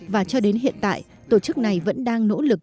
và cho đến hiện tại tổ chức này vẫn đang nỗ lực